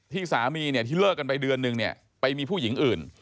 ที่สามีที่เลิกกันไปเดือนนึงไปมีผู้หญิงอื่น